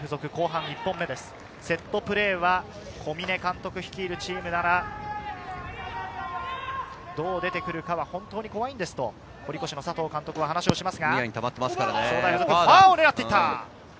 セットプレーは小嶺監督率いるチームなら、どう出てくるかは本当に怖いですと堀越の佐藤監督が話します。